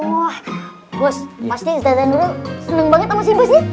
wah bos pasti ustazah nurul seneng banget sama si bosnya